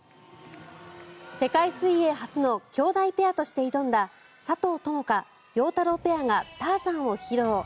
世界水泳初の姉弟ペアとして挑んだ佐藤友花・陽太郎ペアが「ターザン」を披露。